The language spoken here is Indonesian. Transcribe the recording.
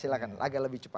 silahkan agak lebih cepat